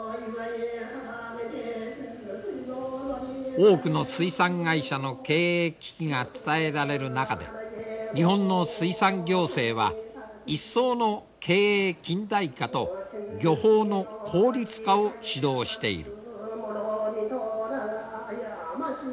多くの水産会社の経営危機が伝えられる中で日本の水産行政は一層の経営近代化と漁法の効率化を指導している。